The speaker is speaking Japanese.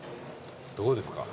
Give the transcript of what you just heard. どうですか？